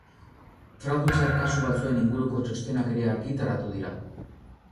Tratu txar kasu batzuen inguruko txostenak ere argitaratu dira.